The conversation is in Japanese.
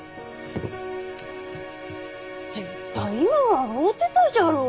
絶対今笑うてたじゃろう。